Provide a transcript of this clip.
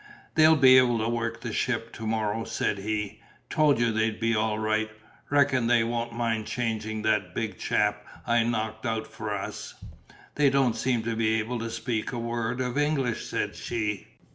"They'll be able to work the ship to morrow," said he, "told you they'd be all right; reckon they won't mind changing that big chap I knocked out for us." "They don't seem to be able to speak a word of English," said she.